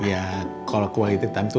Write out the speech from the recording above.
ya kalau quality time itu